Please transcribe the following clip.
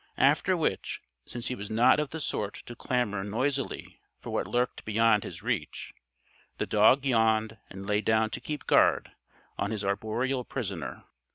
After which, since he was not of the sort to clamor noisily for what lurked beyond his reach, the dog yawned and lay down to keep guard on his arboreal prisoner.